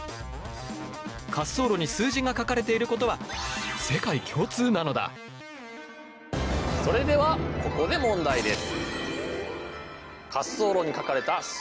滑走路に数字が書かれていることはそれではここで問題です。